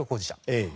ええ。